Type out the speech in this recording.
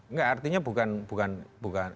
nggak artinya bukan